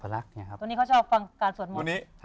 ตัวนี้เขาชอบฟังการสวดมนต์